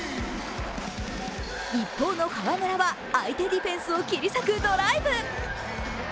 一方の河村は相手ディフェンスを切り裂くドライブ。